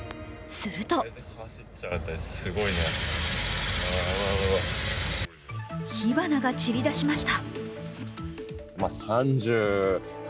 すると火花が散り出しました。